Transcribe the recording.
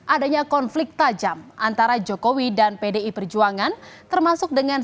adanya konflik tajam antara jokowi dan pdi perjuangan termasuk dengan